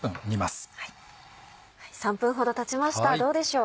３分ほどたちましたどうでしょう。